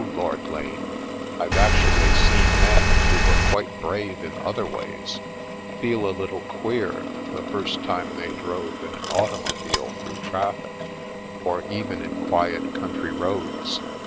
Lord Lane, I've actually seen men who were quite brave in other ways, feel a little queer the first time they drove in an automobile through traffic, or even in quiet country roads?